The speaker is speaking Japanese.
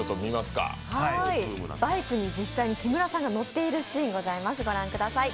バイクに実際に木村さんが乗っているシーンがございます、御覧ください。